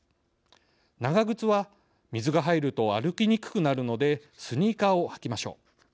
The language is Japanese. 長靴は水が入ると歩きにくくなるのでスニーカーを履きましょう。